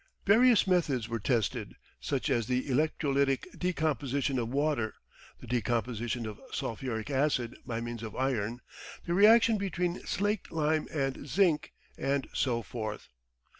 Various methods were tested, such as the electrolytic decomposition of water, the decomposition of sulphuric acid by means of iron, the reaction between slaked lime and zinc, and so forth.